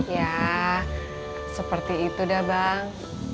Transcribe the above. ya seperti itu deh bang